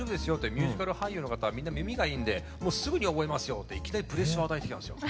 「ミュージカル俳優の方はみんな耳がいいんですぐに覚えますよ」っていきなりプレッシャーを与えてきたんですよ。